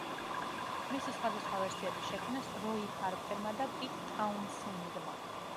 მისი სხვადასხვა ვერსიები შექმნეს როი ჰარპერმა და პიტ ტაუნსენდმა.